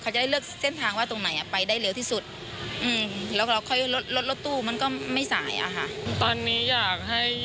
มันให้เติมตัวไม่นานมาก